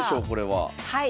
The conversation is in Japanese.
はい。